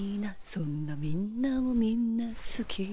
「そんなみんなをみんなすき」